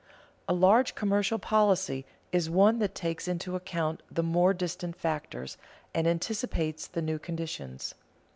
A large commercial policy is one that takes into account the more distant factors, and anticipates the new conditions.